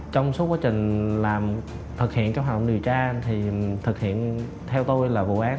trong suốt quá trình thực hiện các hoạt động điều tra thì thực hiện theo tôi là vụ án